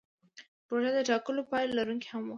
پروژه د ټاکلو پایلو لرونکې هم وي.